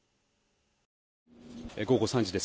午後３時です。